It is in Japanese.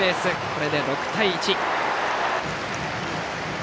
これで６対１。